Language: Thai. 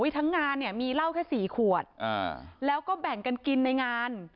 ทั้งงานเนี่ยมีเหล้าแค่๔ขวดแล้วก็แบ่งกันกินในงาน